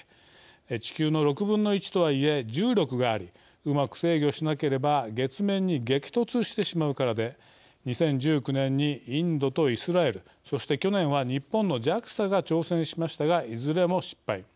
地球の６分の１とはいえ重力がありうまく制御しなければ月面に激突してしまうからで２０１９年にインドとイスラエルそして去年は日本のＪＡＸＡが挑戦しましたがいずれも失敗。